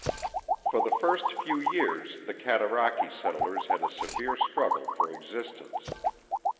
For the first few years the Cataraqui settlers had a severe struggle for existence.